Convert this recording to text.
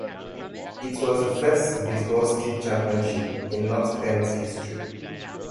It was the first baseball state championship in North Penn's History.